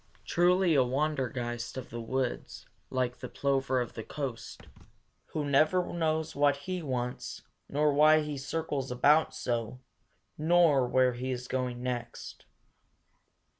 Truly a Wandergeist of the woods, like the plover of the coast, who never knows what he wants, nor why he circles about so, nor where he is going next.